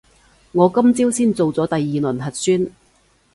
我今朝先做咗第二輪核酸